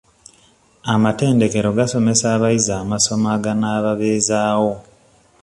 Amatendekero gasomesa abayizi amasomo aganaababeezaawo.